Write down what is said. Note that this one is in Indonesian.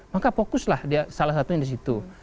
maka fokuslah dia salah satunya di situ